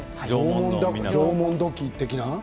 縄文土器的な？